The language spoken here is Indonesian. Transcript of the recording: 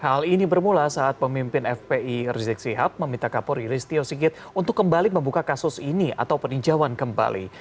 hal ini bermula saat pemimpin fpi rizik sihab meminta kapolri listio sigit untuk kembali membuka kasus ini atau peninjauan kembali